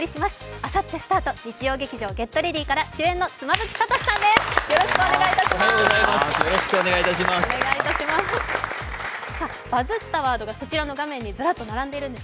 あさってスタート、日曜劇場「ＧｅｔＲｅａｄｙ！」から主演の妻夫木聡さんです。